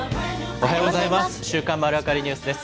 おはようございます。